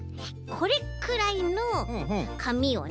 これくらいのかみをね